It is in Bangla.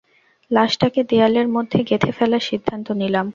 লাশটাকে দেয়ালের মধ্যে গেঁথে ফেলার সিদ্ধান্ত নিলাম।